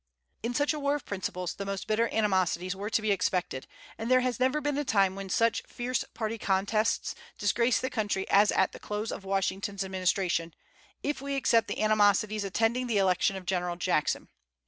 In such a war of principles the most bitter animosities were to be expected, and there has never been a time when such fierce party contests disgraced the country as at the close of Washington's administration, if we except the animosities attending the election of General Jackson.